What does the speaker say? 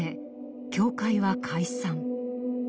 教会は解散。